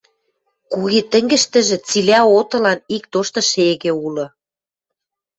куги тӹнгӹштӹжӹ цилӓ отылан ик тошты шегӹ улы.